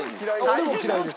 俺も嫌いです。